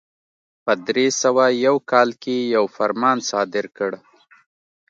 په درې سوه یو کال کې یو فرمان صادر کړ.